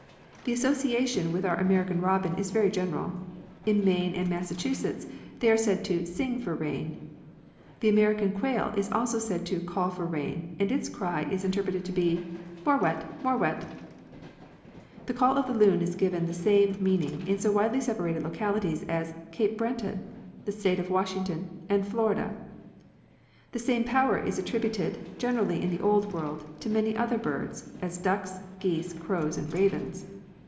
This association with our American robin is very general. In Maine and Massachusetts they are said to "sing for rain" (Miss F. D. Bergen). The American quail is also said to " call for rain," and its ery is in terpreted to be, "More wet, more wet" (Dr Robert Fletcher). The call of the loon is given the same meaning in so widely separated localities as Cape Breton, the state of Washington, and Florida (Mr C. A.Smith). The same power is attributed, gener ally in the Old World, to many other birds, as ducks, geese, crowsand ravens.